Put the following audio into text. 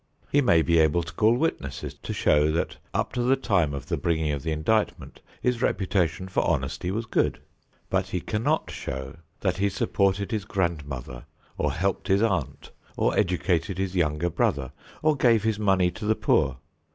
He may be able to call witnesses to show that up to the time of the bringing of the indictment his reputation for honesty was good; but he cannot show that he supported his grandmother, or helped his aunt, or educated his younger brother, or gave his money to the poor.